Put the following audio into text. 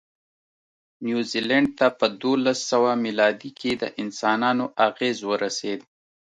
نیوزیلند ته په دوولسسوه مېلادي کې د انسانانو اغېز ورسېد.